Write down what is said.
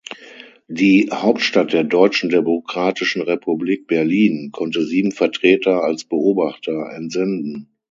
Die „Hauptstadt der Deutschen Demokratischen Republik, Berlin“, konnte sieben Vertreter als Beobachter entsenden.